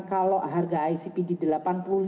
kalau harga icp di rp delapan puluh